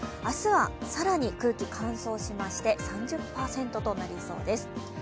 明日は更に空気乾燥しまして３０％となりそうです。